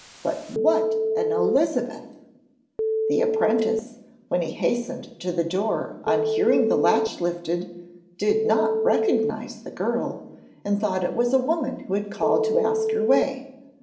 But what an Elizabeth! The apprentice, when he hastened to the door on hearing the latch lifted, did not recognise the girl, and thought it was a woman who had called to ask her way.